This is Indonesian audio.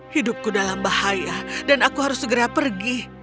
hidupku dalam bahaya dan aku harus segera pergi